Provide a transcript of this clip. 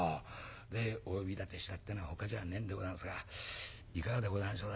でお呼び立てしたってえのはほかじゃあねえんでござんすがいかがでござんしょう？